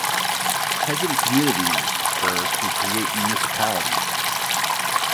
Peasant communities were to create municipalities.